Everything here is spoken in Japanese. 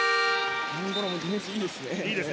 アンゴラディフェンスがいいですね。